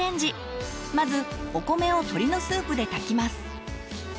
まずお米を鶏のスープで炊きます。